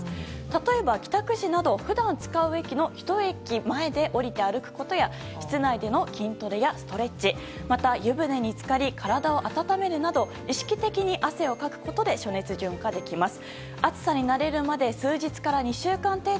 例えば、帰宅時など普段使う駅の１駅前で降りて歩くことや室内での筋トレやストレッチまた湯船に浸かり体を温めるなど意識的に汗をかくことで暑熱順化できます。